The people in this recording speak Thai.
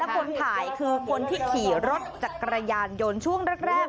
คนถ่ายคือคนที่ขี่รถจักรยานยนต์ช่วงแรก